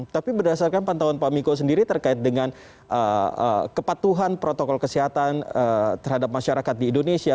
tapi berdasarkan pantauan pak miko sendiri terkait dengan kepatuhan protokol kesehatan terhadap masyarakat di indonesia